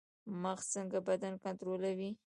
مغز څنګه بدن کنټرولوي؟